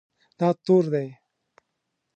دا تور دی